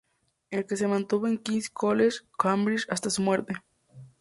Él se mantuvo en la King's College, Cambridge, hasta su muerte.